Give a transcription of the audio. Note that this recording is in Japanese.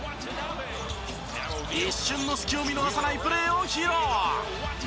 一瞬の隙を見逃さないプレーを披露！